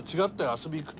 遊びに行くと。